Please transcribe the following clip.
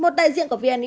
một đại diện của vnxpets